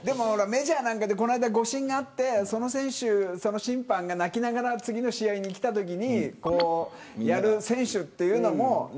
メジャーなんかでこの間誤審があって審判が泣きながら次の試合に来たときにやる選手というのも。